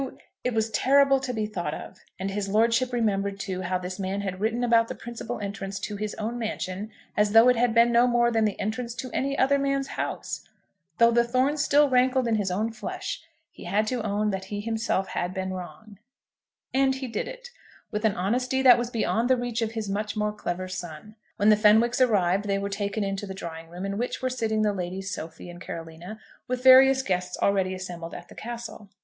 It was terrible to be thought of. And his lordship remembered, too, how this man had written about the principal entrance to his own mansion as though it had been no more than the entrance to any other man's house! Though the thorns still rankled in his own flesh, he had to own that he himself had been wrong. And he did it, with an honesty that was beyond the reach of his much more clever son. When the Fenwicks arrived, they were taken into the drawing room, in which were sitting the Ladies Sophie and Carolina with various guests already assembled at the Castle.